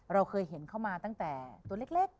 เราเคยเห็นเข้ามาตั้งแต่ตัวเล็ก